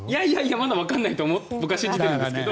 まだわからないって僕は信じてるんですけど。